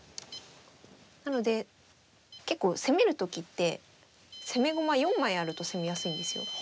なので結構攻める時って攻め駒４枚あると攻めやすいんですよ。